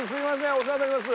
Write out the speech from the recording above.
お世話になります